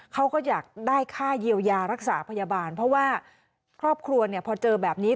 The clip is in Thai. เขาก็อยากได้ค่าเยียวยารักษาพยาบาลเพราะว่าครอบครัวเนี่ยพอเจอแบบนี้